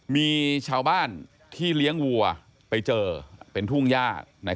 มีชาวบ้านที่เลี้ยงวัวไปเจอเป็นทุ่งย่า